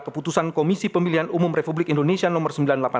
keputusan komisi pemilihan umum republik indonesia nomor sembilan ratus delapan puluh